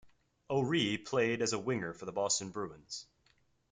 O'Ree played as a winger for the Boston Bruins.